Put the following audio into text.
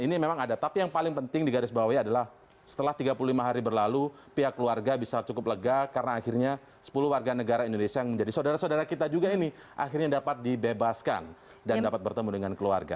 ini memang ada tapi yang paling penting digarisbawahi adalah setelah tiga puluh lima hari berlalu pihak keluarga bisa cukup lega karena akhirnya sepuluh warga negara indonesia yang menjadi saudara saudara kita juga ini akhirnya dapat dibebaskan dan dapat bertemu dengan keluarga